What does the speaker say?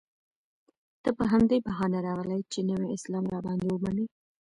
ته په همدې بهانه راغلی یې چې نوی اسلام را باندې ومنې.